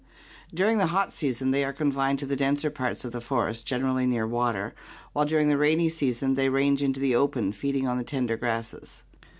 During the hot season they are confined to the denser parts of the forest, generally near water, while during the rainy season they " B range into the open, feeding on the tender grasses.